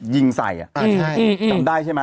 ยิงใส่อ่ะจำได้ใช่มั้ย